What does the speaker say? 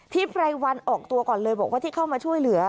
ไพรวันออกตัวก่อนเลยบอกว่าที่เข้ามาช่วยเหลือ